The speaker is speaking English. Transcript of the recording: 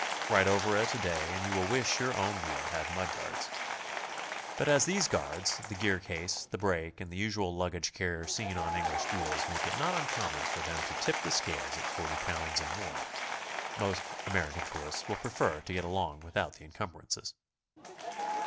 Ride over it a day and you will wish your own wheel had mud guards. But as these guards, the gear case, the brake and the usual luggage carrier seen on English wheels make it not uncommon for them to tip the scales at 40 pounds and more, most American tourists will prefer to get along without the encumbrances.